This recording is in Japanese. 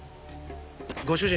ご主人。